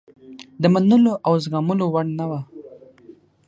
د منلو او زغملو وړ نه وه.